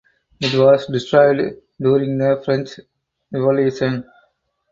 It was destroyed during the French Revolution.